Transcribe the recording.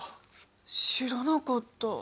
知らなかった。